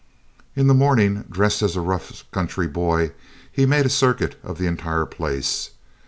In the morning, dressed as a rough country boy, he made a circuit of the entire place.